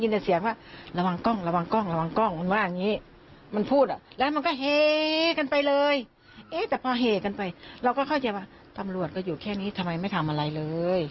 เหรอว่าใจดูแค่นี้ทำไมไม่ทำอะไรเลย